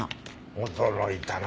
驚いたな。